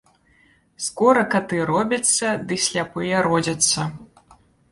Скора каты робяцца, ды сляпыя родзяцца